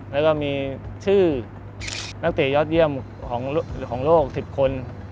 แล้วก็มีชื่อนักเตะยอดเยี่ยมของโลก๑๐คน